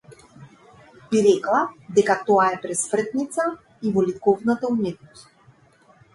Би рекла дека тоа е пресвртница и во ликовната уметност.